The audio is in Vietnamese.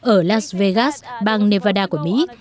ở las vegas bang nevada của mỹ